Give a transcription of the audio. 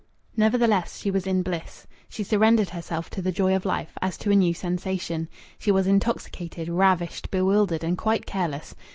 Nevertheless she was in bliss. She surrendered herself to the joy of life, as to a new sensation. She was intoxicated, ravished, bewildered, and quite careless.